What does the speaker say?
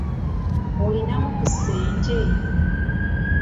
Olinamu ku ssente?